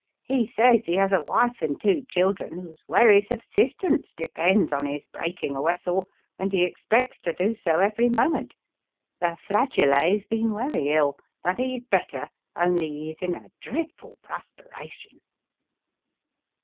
He says he has a wife and two children, whose werry subsistence depends on his breaking a wessel, and he expects to do so every moment. The flageolet's been werry ill, but he's better, only he's in a dreadful prusperation."